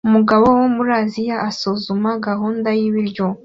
Umugabo wo muri Aziya asuzuma gahunda y'ibiryo